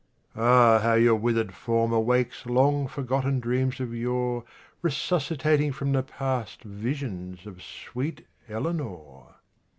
Ah, how your withered form awakes Long forgotten dreams of yore Resuscitating from the past Visions of sweet Eleanor!